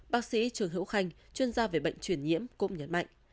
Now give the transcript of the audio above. bác sĩ trường hữu khanh chuyên gia về bệnh truyền nhiễm cũng nhấn mạnh